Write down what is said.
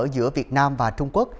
giữa việt nam và trung quốc